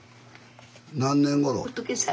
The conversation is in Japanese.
何年ごろ？